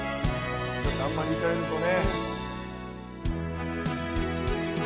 あんまりいかれるとね。